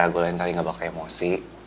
gue lain kali gak bakal emosi